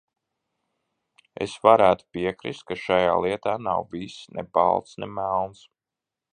Es varētu piekrist, ka šajā lietā nav viss ne balts, ne melns.